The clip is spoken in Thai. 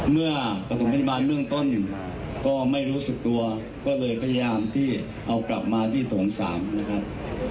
ประถมพยาบาลเบื้องต้นก็ไม่รู้สึกตัวก็เลยพยายามที่เอากลับมาที่โถง๓นะครับ